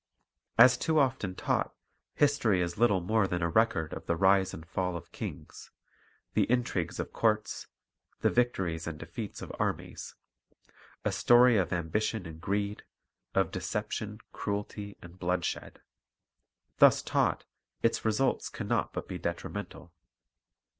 As too often taught, history is little more than a record of the rise and fall of kings, the intrigues of courts, the victories and defeats of armies, — a story of ambition and greed, of deception, cruelty, and blood shed. Thus taught, its results can not but be detri mental.